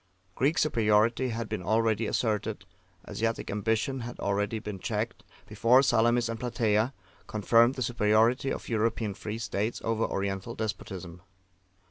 Greek superiority had been already asserted, Asiatic ambition had already been checked, before Salamis and Platea confirmed the superiority of European free states over Oriental despotism.